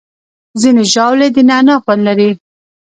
ځینې ژاولې د نعناع خوند لري.